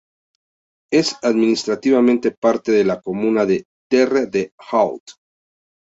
Es administrativamente parte de la comuna de Terre-de-Haut.